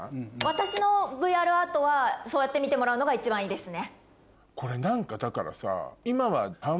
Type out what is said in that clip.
私のＶＲアートはそうやって見てもらうのが一番いいですね。